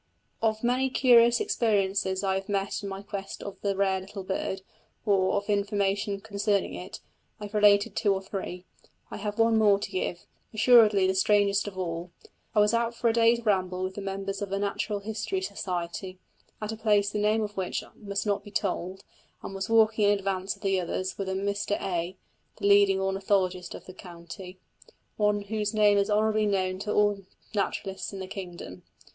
Of many curious experiences I have met in my quest of the rare little bird, or of information concerning it, I have related two or three: I have one more to give assuredly the strangest of all. I was out for a day's ramble with the members of a Natural History Society, at a place the name of which must not be told, and was walking in advance of the others with a Mr A., the leading ornithologist of the county, one whose name is honourably known to all naturalists in the kingdom.